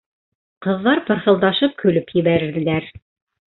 Ҡыҙҙар пырхылдашып көлөп ебәрҙеләр.